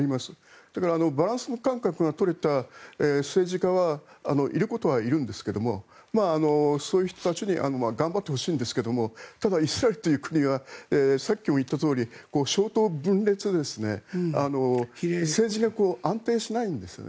それからバランス感覚が取れた政治家はいることはいるんですがそういう人たちに頑張ってほしいんですがただ、イスラエルという国がさっきも言ったとおり小党分裂で政治が安定しないんですね。